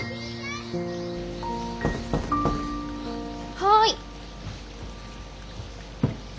はい。